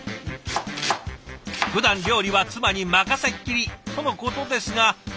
ふだん料理は妻に任せっきりとのことですが。